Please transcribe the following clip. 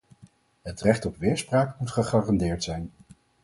Het recht op weerspraak moet gegarandeerd zijn.